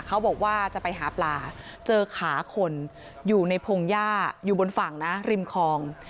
เขาบอกว่าจะไปหาปลาเจอขาคนอยู่ในพงหญ้าอยู่บนฝั่งนะริมคลอง